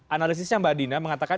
analisisnya mbak dina mengatakan